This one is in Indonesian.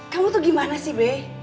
kamu tuh gimana sih be